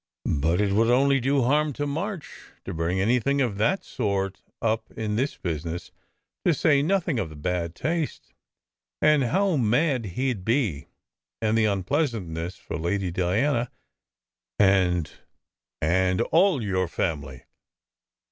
But it would only do harm to March to bring anything of that sort up in this business, to say nothing of the bad taste, and how mad he d be, and the unpleasantness for Lady Diana and and all your family."